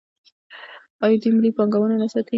آیا دوی ملي پارکونه نه ساتي؟